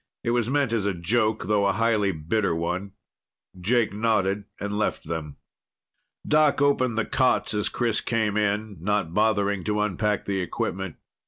It was meant as a joke, though a highly bitter one. Jake nodded and left them. Doc opened the cots as Chris came in, not bothering to unpack the equipment.